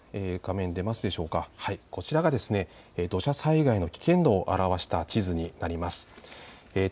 こちらが土砂災害の危険度を表した地図になります。